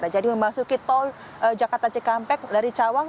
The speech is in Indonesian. jadi memasuki tol jakarta cikampek dari cawang